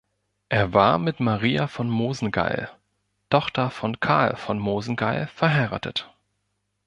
Er war mit Maria von Mosengeil, Tochter von Karl von Mosengeil, verheiratet.